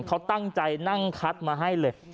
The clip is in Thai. เขาตั้งใจนั่งคัดมาให้เลย